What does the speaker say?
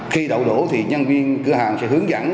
khi đậu đổ thì nhân viên cửa hàng sẽ hướng dẫn